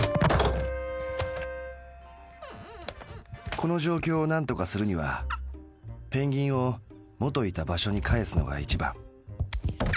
この状況をなんとかするにはペンギンをもといた場所にかえすのが一番。